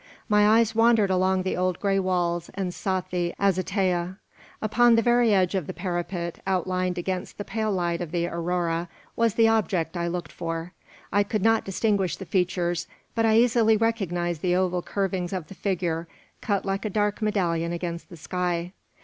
My eyes wandered along the old grey walls, and sought the azotea. Upon the very edge of the parapet, outlined against the pale light of the aurora, was the object I looked for. I could not distinguish the features, but I easily recognised the oval curvings of the figure, cut like a dark medallion against the sky.